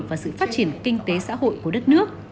và sự phát triển kinh tế xã hội của đất nước